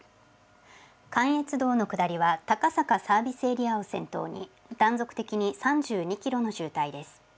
関越道の下りは高坂サービスエリアを先頭に、断続的に３２キロの渋滞です。